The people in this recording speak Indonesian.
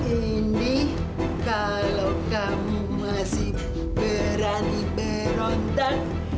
ini kalau kamu masih berani berontak